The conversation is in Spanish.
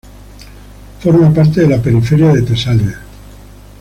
Forma parte de la periferia de Tesalia.